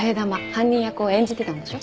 犯人役を演じてたんでしょ？